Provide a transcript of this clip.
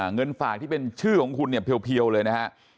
เงินฝากที่เป็นชื่อของคุณเนี่ยเพียวเลยนะฮะ